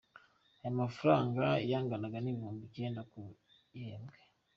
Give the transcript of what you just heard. Aya mafaranga yanganaga n’ibihumbi icyenda ku gihembwe.